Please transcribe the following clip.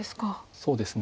そうですね。